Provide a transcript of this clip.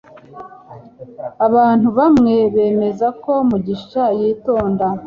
Abantu bamwe bemeza ko Mugisha yitonda